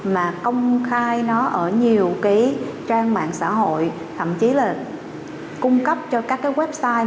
mà công khai nó ở nhiều cái trang mạng xã hội thậm chí là cung cấp cho các cái website